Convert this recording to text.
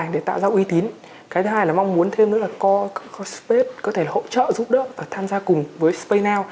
để tạo ra uy tín cái thứ hai là mong muốn thêm nữa là co space có thể hỗ trợ giúp đỡ và tham gia cùng với spaynow